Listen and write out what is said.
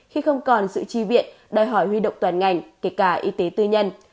khi không còn sự chi viện đòi hỏi huy động toàn ngành kể cả y tế tư nhân